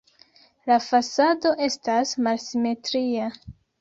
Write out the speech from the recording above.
La fasado estas malsimetria.